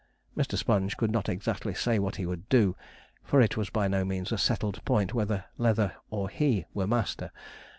Mr. Sponge could not exactly say what he would do, for it was by no means a settled point whether Leather or he were master.